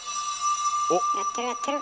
やってるやってる！